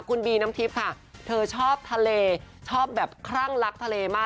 คุณบีน้ำทิพย์ค่ะเธอชอบทะเลชอบแบบคลั่งรักทะเลมาก